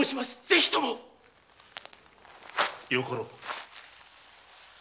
是非ともよかろう。